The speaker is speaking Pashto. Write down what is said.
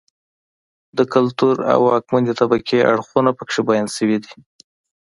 د کلتور او واکمنې طبقې اړخونه په کې بیان شوي دي.